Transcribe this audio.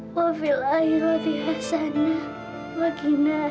kami berdoa di dunia ini